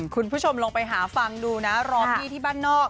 คุณผู้ชมลองไปหาฟังดูนะรอพี่ที่บ้านนอก